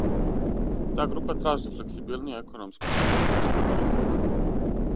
Та група тражи флексибилнију економску и финансијску политику.